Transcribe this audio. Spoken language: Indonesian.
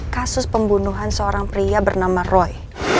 kasus pembunuhan seorang pria bernama roy